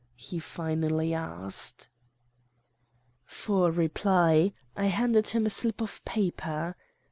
he finally asked. "For reply, I handed him a slip of paper.